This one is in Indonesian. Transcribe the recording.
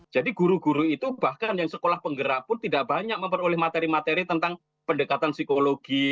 jadi guru guru itu bahkan yang sekolah penggerak pun tidak banyak memperoleh materi materi tentang pendekatan psikologi